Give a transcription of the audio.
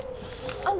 あの。